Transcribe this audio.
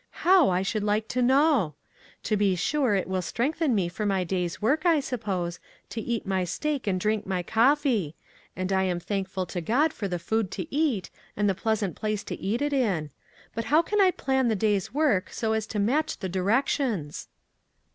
How, I should like to know ! To be sure, it will strengthen me for my day's work, I suppose, to eat my steak and drink my coffee ; and I am thankful to God for the food to eat, and the pleasant place to eat it in ; but how can I plan the day's work so as to match the directions?"